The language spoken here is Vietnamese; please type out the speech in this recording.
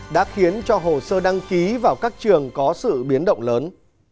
đã khiến cho hồ sơ đăng ký vào các trường có sự biến động lớn